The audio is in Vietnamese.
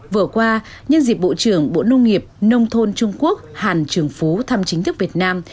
vừa qua nhân dịp bộ trưởng bộ nông nghiệp nông thôn trung quốc hàn trường phú thăm chính thức việt nam